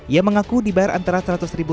ia mengaku dibayar antara seratus ribu